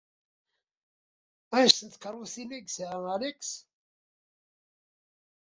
Anect n tkeṛṛusin ay yesɛa Alex?